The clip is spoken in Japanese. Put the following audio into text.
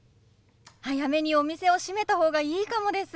早めにお店を閉めた方がいいかもです。